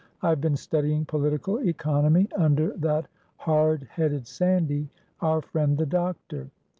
I have been studying political economy under that hard headed Sandy, our friend the doctor.